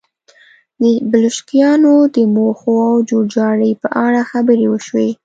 د بلشویکانو د موخو او جوړجاړي په اړه خبرې وشوې